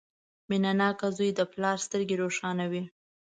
• مینهناک زوی د پلار سترګې روښانوي.